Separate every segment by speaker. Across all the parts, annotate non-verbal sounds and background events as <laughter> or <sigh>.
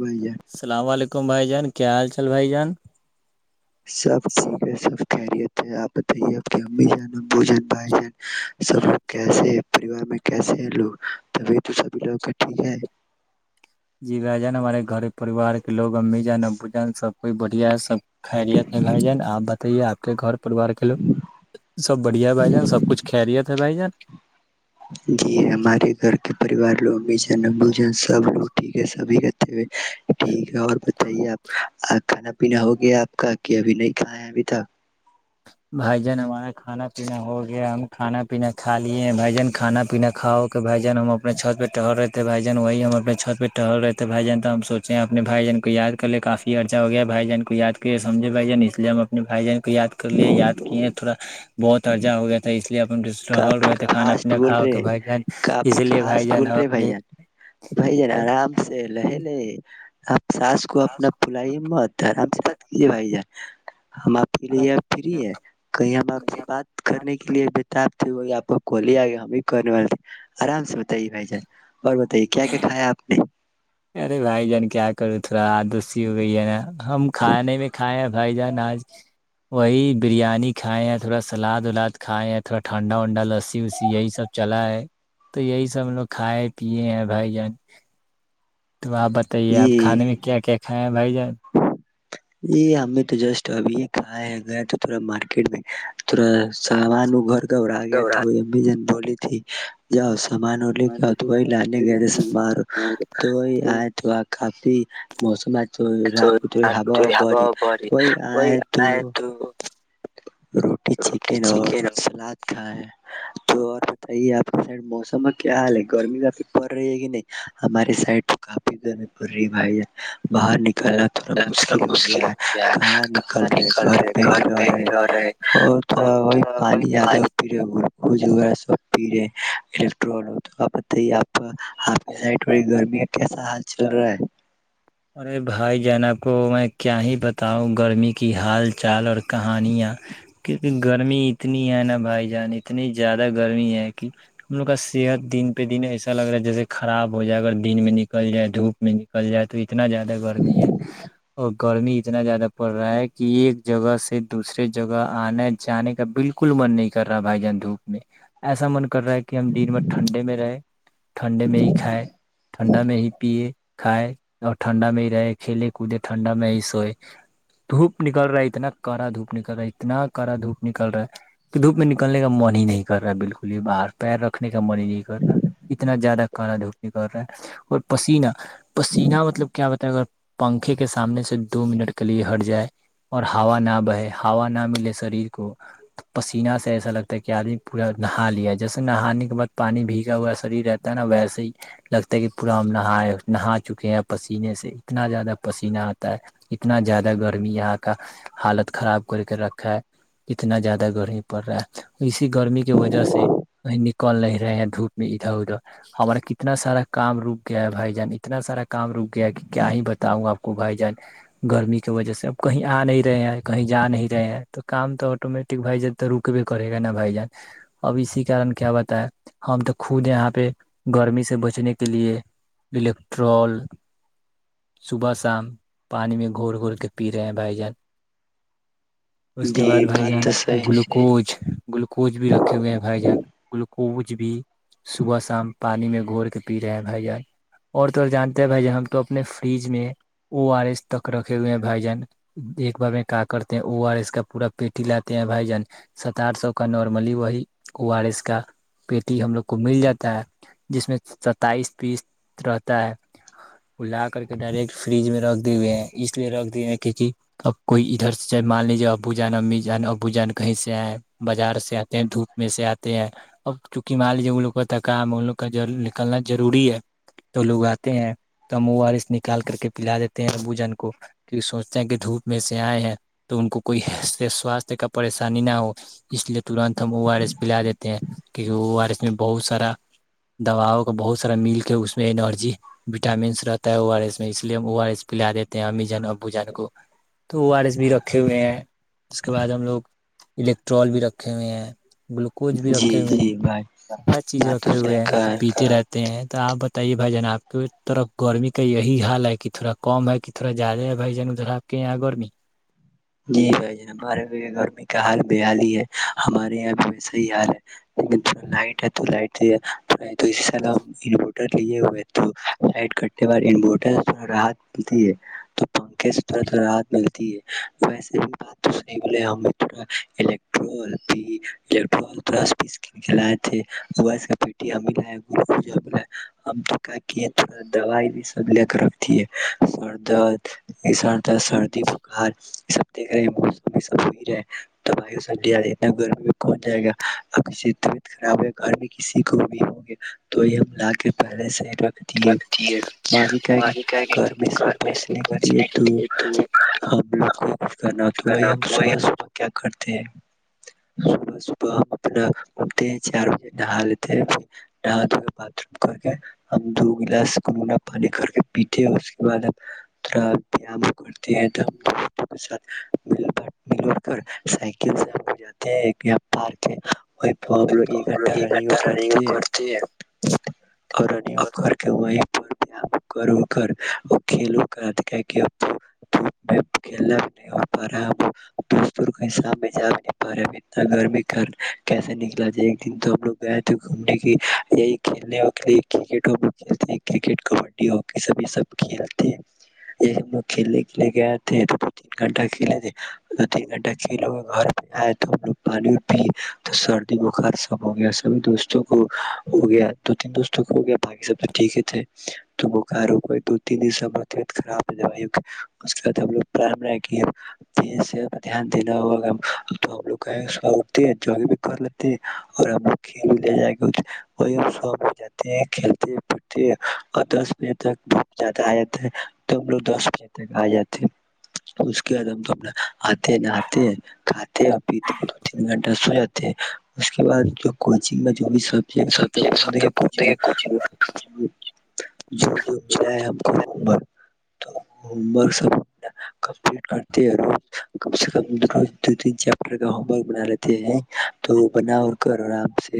Speaker 1: بھیا
Speaker 2: سلام علیکم کم بھائی جان کیا حال چال بھائی جان
Speaker 1: سب ٹھیک ہے سب خیریت آپ بتائیےپ کہ امی جان ابوجن بائی جن سب لوگ کیسے پریوار میں کیسے ہیں لوگ تبھی تو سبھی لوگ کا ٹھیک ہے
Speaker 2: جی ب جانا ہمارے گھر پریوار کے لوگ امی جان ابو جان سب کوئی بڑھیا سب کرییت گارجین آپ بتائیے آپ کے گھر پریوار کےلو سب بڑھیا ب جائ سب کچھ خیریت ہے بھائی جان
Speaker 1: جی ہمارے گھر کے پریوار لوگ بھی بوجن سب لوگ ٹھیک ہے سبھی کرتے ٹھیک ہے اور بتائیے آپ کھانا پینا ہو گیا آپ کا کہ ابھی نہیں کھاائے ہے ابھی تک
Speaker 2: بھائی جان ہمارا کانا پینا ہو گیا ہم کانا پینا کھ لیے ہیں بھائی جان کھانا پینا کھاؤ کے بھائی جان ہم اپنے چھت پہ ٹہر رہے تھے بھائی جان وہی ہم اپنے چھت پہ ٹہر رہے بھائی جان تو ہم سوچے ہیں اپنے بھائی جن کو یاد کر لے کافی ارچا ہو گیا بھائی جن کو یاد کرے سجھے بھائی جان اس لیے ہم اپنے بھائی جن کو یا تو لیے یاد کیے تھوڑا بہت ارجہ ہو گیا تھا اس لیے اپن ٹہل
Speaker 1: کافی
Speaker 2: رہے تھے کھانا
Speaker 1: فاسٹ
Speaker 2: پینا
Speaker 1: بول
Speaker 2: کھا
Speaker 1: رہے
Speaker 2: کے بھائی جان
Speaker 1: کافی
Speaker 2: اسی لیے بھائی
Speaker 1: فاسٹ
Speaker 2: جان
Speaker 1: بول
Speaker 2: ہم
Speaker 1: رہے بھائی جان بھائی جان آرام سے لے لے آپ ساس کو اپنا بلائی م آرام سے بات کیجے بھائی جان ہم آپ کے لیے اب فری ہے کہیں ہم آپ سے بات کرنے
Speaker 2: اپنے
Speaker 1: کے لیے وہی آپ کو کول آگیا ہم بھی کرنے والے تھے آرام سے بتائیے بھائی جان اور بتائیے کیا کیا کھایا آپ نے
Speaker 2: ارے بھائی جان کیا کروں تھوڑا آدوسی ہو گئی ہے نا ہم کھانے میں کھائے ہیں بھائی جان آج وہی بریانی کھائے ہیں تھوڑا سلاد الاد کھائے ہیں تھوڑا ٹھنڈا ونڈا لسی وسی یہی سب چلا ہے تو یہی سب لوگ کھائے پیے ہیں بھائی جان تو آپ بتائیے
Speaker 1: جی
Speaker 2: آپ کھانے میں کیا کیا کھائےیں ہیں بھائی جان
Speaker 1: یہ ہمیں تو جسٹ ابھی یہ کھایا ہے گیا تو تھوڑا مارکیٹ میں تھوڑا سامان وہ گھر گھبورا گیا تو وہ ا بھی جن بولی جا سے سامان لے کے تو وہی لانے گئے تھے سار تو آئے تو کافی موسمات تو
Speaker 2: تو
Speaker 1: رات تھوڑی
Speaker 2: کو جو
Speaker 1: ہوا
Speaker 2: ہب
Speaker 1: بڑی
Speaker 2: پ
Speaker 1: وہی
Speaker 2: وہ
Speaker 1: آئے
Speaker 2: تو
Speaker 1: روٹی چکن اور سلاد کھائیں تو تو اور بتائیے آپ کے سائڈ موسم کیا حال ہے گرمی کافی پڑ رہی ہے کہ نہیں ہماری سائڈ تو کافی گرمی پڑ رہی بھائی باہر نک کہنا تھوڑا مشکل ہو گیا ہے کہاں نکل رہے گھر پہ ہی ے اور تھوڑا وہی پانی زیادہ پ رہے وغہ سب پی رہے الیکٹر تو آپ بتائیے آپٹی گرمی کیسا حال چل رہا ہے
Speaker 2: ارے بھائی جان آپ کو میں کیا ہی بتاؤں گرمی کی حال چال اور کہانیاں کیونکہ گرمی اتنی ہے نا بھائی جان اتنی زیادہ گرمی ہے کہ ہم لوگ کا صحت دن پہ دن ایسا لگ رہا ہے جیسے خراب ہو جائے اگر دن میں نکل جائے دھوپ میں نکل جائے تو اتنا زیادہ گرمی ہے اور گرمی اتنا زیادہ پڑ رہا ہے کہ ایک جگہ سے دوسرے جگہ آنے جانے کا بلکل من نہیں کر رہا بھائی جان دھوپ میں ایسا من کر رہا ہے کہ ہم دن بھر ٹھنڈے میں رہے ٹھنڈے میں ہی کھائے ٹھنڈا میں ہی پیے کھائے اور ٹھنڈا میں ہی رہے کھیلے کودے ٹھنڈا میں ہی سوئے دھوپ نکل رہا ہے اتنا کرا دھوپ نکل رہا ہے اتنا کرا دھوپ نکل رہا ہے کہ دھوپ میں نکلنے کا من ہی نہیں کر رہا ہے بلکل ہی باہر پیر رکھنے من ہی نہیں کر رہا اتنا زیادہ کالا دھوک کر رہا ہے اور پسین پسی پین مطلب کیا بتا ہے اگر پنکھے کے سامنے سے دو منٹ کے لیے ہٹ جائے اور ہووا نہ بہے ہوا نہ ملے شریر کو پسیین سے ایسا لگتا ہے کہ آدمی پورا نہا لیا جیسے نہانے کے بعد پانی بھیگا ہوا شریر رہتا ہے نا ویسے ہی لگتا ہے کہ پورا ہم نہائے نہا چکے ہیں پسینے سے اتنا زیادہ پسیین آتا ہے اتنا زیادہ گرمی یہاں کا حالت خراب کر کے رکھا ہے اتنا زیادہ گرمی پڑ رہا ہے اسی گرمی کی وجہ سے وہ نکل نہیں رہے ہیں دھوپ میں ادھر ادھر ہمارا کتنا سارا کام رک گیا ہے بھائی جان اتنا سارا کام رک گیا کہ کیا ہی بتاؤں آپ کو بھائی جان گرمی کی وجہ سے اب کہیں آ نہیں رہے ہیں کہیں جا نہیں رہے ہیں تو کام تو آٹومیٹک بھائی جان تو رک بھیے کرے گا نا بھائی جان اب اسی کارن کیا بتا ہے ہم تو خود یہاں پہ گرمی سے بچنے کے لیے ٹرول صبح شام پانی میں گور گور کے پی رہے ہیں بھائی جان اس کے
Speaker 1: جی
Speaker 2: بعد بھائی
Speaker 1: بات تو
Speaker 2: جان
Speaker 1: صحیح
Speaker 2: گلوکوز گلوکوز بھی رکھے ہوئے ہیں بھائی جان گلوکو کچ بھی صبح شام پانی میں گھور کے پی رہے ہے جائے اور تو جانتے ہیں بھائی جان ہم تو اپنے فریج میں او آر ایس تک رکھے ہوئے ہیں بھائی جان ایک بار میں کا کرتے ہیں او آر ایس کا پورا پیٹی لاتے ہیں بھائی جان ست آار سو کا نارملی وہی او آر ایس کا پیٹی ہم لوگ کو مل جاتا ہے جس میں ستائیس تیسر وہ لا کر کے ڈائریکٹ فریج میں رکھ دیے ہوئے ہیں اس لیے رکھ دیے ہوئے ہیں کیونکہ اب کوئی ادھر سے ج مان لیجے ابو جان امی جان ابو جان کہیں سے آئے بازار سے آتے ہیں دھوپ میں سے آتے ہیں اب چونکہ مان لیجیے ان لوگ کا کام ہے ان لوگ کا نکلنا ضروری ہے تو لوگ آتے ہیں تو ہم او آر ایس نکال کر کے پلا دیتے ہیں ابوجن کو کہ سوچتے ہیں کہ دھوپ میں سے آئے ہیں تو ان کو کوئی سواستھ کا پریشانی نہ ہو اس لیے ترنت ہم او آر ایس پلا دیتے ہیں کہ او آر ایس میں بہت سارا دواؤ کا بہت سارا میل کے اس میں انرجی وٹامنس رہتا ہے او آر ایس میں اس لیے ہم او آر ایس پلا دیتے ہیں امی جن ابوجن کو تو او آر ایس بھی رکھے ہوئے ہیں اس کے بعد ہم لوگ الیکٹرول بھی رکھے ہوئے ہیں گلوکوز بھی
Speaker 1: جی
Speaker 2: رکھے ہوئے
Speaker 1: جی بھائی
Speaker 2: ہر چیز
Speaker 1: بات تو
Speaker 2: رکھے ہوئے
Speaker 1: صحیح
Speaker 2: ہیں تو
Speaker 1: کہا ہے
Speaker 2: پیتے رہتے تے ہیں تو آپ بت ت یہ بھائی جان آپ کے طرف گرمی کا یہی حال ہے کہ تھورا کم ہے کہ تھورا زیادہ ہے بھائی جان ادھر آپ کے یہاں گرمی
Speaker 1: جی بھائی جان ہمارے بھی گرمی کا حال بحال ہی ہے ہمارے یہاں بھی وسا ہی حال ہے لیکنا لائٹ ہے تو لائٹ اس سالح انورٹر لیے ہوئے ہیں تو لائٹ کٹتے بعد انٹر راحت ملتی ہے تو <unintelligible> <unintelligible> <unintelligible> یہ سب دیکھ رہے ہیں موسم یہ سب ہو رہا توی س ا گرمی میں کون جائے گا اب کسی طبیعت خراب ہے گرمی کسی کو بھی ہوگی تو یہ ہم لا کے پہلے سے ہی باقی کہ کہ گرمی سے بچنے کے لیے تو ہم لوگ کچھ کرنا تو وہی ہم
Speaker 2: ایک
Speaker 1: صبح صبح کیا کرتے ہیں صبح صبح ہم اپنا گومتے ہیں چار بجے نہا لیتے ہیں نہا دھو کے باتھ روم کر کے ہم دو گلاس کنا پانی کر کے پیتے ہیں اس کے بعد ہم تھڑام کرتی ہیں تو کر سائیکل سے جاتے ہیں پارک پ لوگ ایک گھنٹہ رنو کرتے ہیں اور رنوگ کر کے وہ پر کر کر اور کھیلوں کرپ میں کھیلنا بھی نہیں ہو پا رہا ہے ہم دوست کہیں سامنے جا بھی نہیں پا رہے ہم اتنا گرمی گھر کیسے نکلا جائے ایک دن تو ہم لوگ گئے تھے گھومنے کے یہی کھیلنے کے لیے کرکٹ ہم لوگ کھیلتے کرکٹ کبڈی ہکی سبی سب کھیلتے یہی ہم لوگ کھیلنے کے لیے گئے تین گھنٹہ کھیلے تھے تین گھنٹہ کھیلے ہوئے گھر پہ آئے تو ہم لوگ پانی اور پیئے تو سردی بخار سب ہو گیا سبھی دوستوں کو ہو گیا دو تین دوستوں کو ہو گیا باقی سب تو ٹھیک ہی تھے تو بخار ہو کو دو تین دن سب طبیعت خراب ہو جائےائی کےد ہم لوگ دھیان دینا ہواا تو ہم لوگح اٹتے ہیں جگگ بھی کر لیتے ہیں اور ہم لوگ کھیل بھی لے جائیں گ وہ ہم س جاتے ہیں کھیلتے پدتے اور دس بجے تک بت زیادہ آ جاتا ہے تو ہم لوگ دس بجے تک آ جاتے اس کے عدم تو نا آتے نہات کاتے پیتے دو تین گھٹہ سوجا <inaudible> اس کے بعد جو کوچ چ میں چی <unintelligible>
Speaker 2: سب چی سب دیکے کچھ
Speaker 1: جو جو ملا ہے ہم کو ہومورک تو ہوم ورک سب کمپٹ کرتے ر کم سے کم روز دو تین چیپٹر کا ہوم ورک بنا لیتے ہیں تو بنا ا کر آرام سے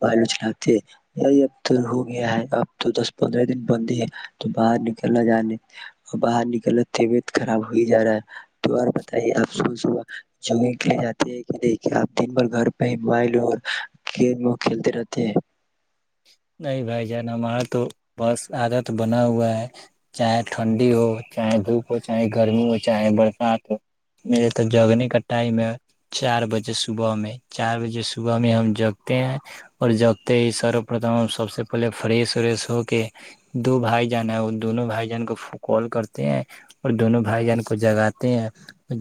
Speaker 1: بالو چلاتے ہیں یہی اب تو ہو گیا ہے اب تو دس پندرہ دن بند ہی ہے تو باہر نکلنا جانے باہر نکلتے ہوئے خراب ہو ہی جا رہا ہے تو اور بتائیے آپ سوا جگگ کے لیے جاتے ہیں کہ نہیں آپ دن بھر گھر پہ ہی موبائل اور گیم کھیلتے رہتے ہیں
Speaker 2: نہیں بھائی جان ہمارا تو بس عادت بنا ہوا ہے چاہے ٹھنڈی ہو چاہے دھوپ ہو چاہے گرمی ہو چاہے برسات ہو میرے تو جگنے کا ٹائم ہے چار بجے صبح میں چار بجے صبح میں ہم جگتے ہیں اور جگتے ہی سر پرتم ہم سب سے پہلے فریس وریش ہو کے دو بھائی جان ہیں دونوں بھائی جان کو کال کرتے ہیں اور دونوں بھائی جان کو جگاتے ہیں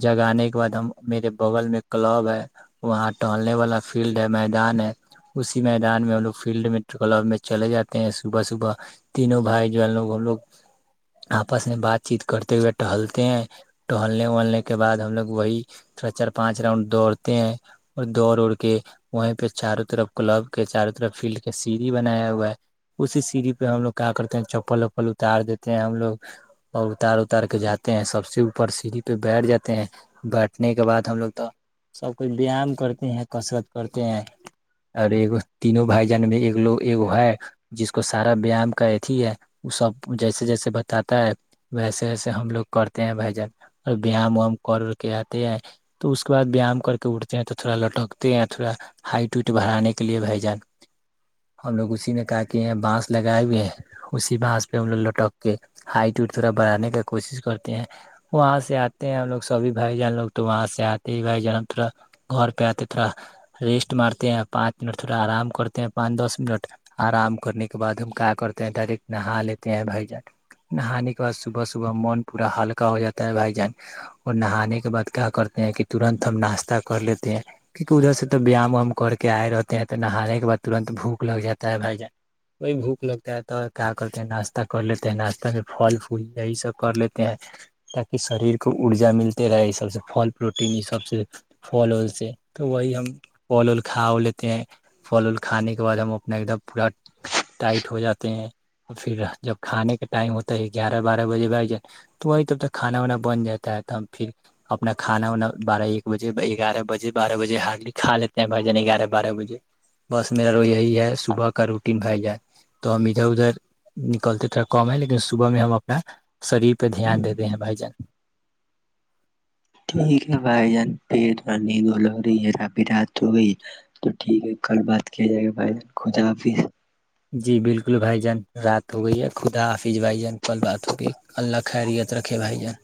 Speaker 2: جگانے کے بعد ہم میرے بغل میں کلب ہے وہاں ٹہلنے والا فیلڈ ہے میدان ہے اسی میدان میں ہم لوگ فیلڈ میں کلب میں چلے جاتے ہیں صبح صبح تینوں بھائی جو ہے لوگ ہم لوگ آپس میں بات چیت کرتے ہوئے ٹہلتے ہیں ٹہلنے وہلنے کے بعد ہم لوگ وہی تھوڑا چار پانچ راؤنڈ دوڑتے ہیں اور دوڑ اڑ کے وہیں پہ چاروں طرف کلب کے چاروں طرف فیلڈ سیڑھی بنایا ہوا ہے اسی سیڑھی پہ ہم لوگ کیا کرتے ہیں چپل وپل اتار دیتے ہیں ہم لوگ اور اتار اتار کے جاتے ہیں سب سے اوپر سیڑھی پہ بیٹھ جات ہیں بیٹھنے کے بعد ہم لوگ تو سب کوئی ویام کرتے ہیں کسرت کرتے ہیں اور ایک تینوں بھائی بجن میں ایک لوگ ہے جس کو سارا ویام کا اتیھی ہے وہ سب جیسے جیسے بتاتا ہے ویسے ویسے ہم لوگ کرتے ہیں بھجن اور ویام و ہم کر ا کے آتے ہیں تو اس کے بد ویام کر کے اٹھتے ہیں تو تھوڑا لٹکتے ہیں تھوڑا ہائٹ وٹ برانے کے لیے بھجن ہم لوگ اسی نے کا کے ہیں بانس لگائے ہوئے ہیں اسی بانس پہ ہم لوگ لٹک کے ہائٹ تھوڑا بڑھانے کی کوشش کرتے ہیں وہاں سے آتے ہیں ہم لوگ سبھی بھائی جان لوگ تو وہاں سے آتے ہی بھائی جان ہم تھوڑا گھر پہ آتے تھوڑا ریسٹ مارتے ہیں پانچ منٹ تھوڑا آرام کرتے ہیں پانچ دس منٹ آرام کرنے کے بع ہم کیا کرتے ہیں ڈائریکٹ نا لیتے ہیں بھائی جان نہانے کے بع صبح صبح من پورا ہلکا ہو جاتا ہے بھائی جان اور نہانے کے بعد کیا کرتے ہیں کہ ترنت ہم ناشتہ کر لیتے ہیں کیونکہ ادھر سے تو بیام ہم کر کے آئے رہتے ہیں تو نہانے کے بع ترنت بھوک لگ جاتا ہے بھ جائے وہی بھوک لگتا ہے تو کیا کرتے ہیں ناشتہ کر لیتے ہیں ناشتہ میں پھل پھل یہی سب کر لیتے ہیں تاکہ شریر کو ارجا ملتے رہے اس سب سے پھل پروٹین اس سب سے پھل ال سے تو وہی ہم پھل ول کھا لیتے ہیں پھل ال کھانے کے بعد ہم اپنا ایک دم پورا ٹائٹ ہو جاتے ہیں پھر جب کھانے کا ٹائم ہوتا ہے گیارہ بارہ بجے ب جائے تو کھانا وانا بن جاتا ہے تو ہم پھر اپنا کھانا باریک بجے ایکگ بجے بجے ہارلی کھا لیتے ہیں بھائی جان بجے بس میرا ر یہی ہے صبح کا روٹین ب جائے تو ہم ادھر ادھر نکلتے تھ کم ہے لیکن صبح میں ہم اپنا شریر پہ دھیان دیتے ہیں بھائی جان
Speaker 1: ٹھیک ہے بھائی جان پ تھڑا نیند ہو لگ رہی ہے ربھی رات ہو گئی ہے تو ٹھیک ہے کل بات کیا جائے گا بھائی جان خدا حافظ
Speaker 2: جی بالکل بھائی جان رات ہو گئی ہے خدا حافظ بھائی جان کل بات ہوگئی اللہ خیریت رکھے بھائی جان